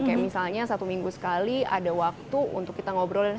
kayak misalnya satu minggu sekali ada waktu untuk kita ngobrolin